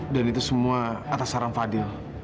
dan itu semua atas harrian fadil